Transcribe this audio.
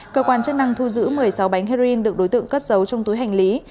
cơ quan chức năng thu giữ một mươi sáu bánh heroin được đối tượng cất giấu trong túi hành lý